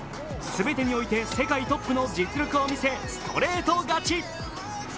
全てにおいて、世界トップに実力を見せ、ストレート勝ち。